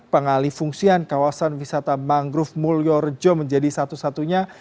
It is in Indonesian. pengalih fungsian kawasan wisata mangrove mulyorejo menjadi satu satunya